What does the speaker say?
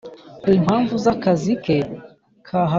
kumpamvu zakazi ke kahagaze